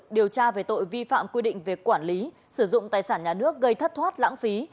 điều tra về tội vi phạm quy định về quản lý sử dụng tài sản nhà nước gây thất thoát lãng phí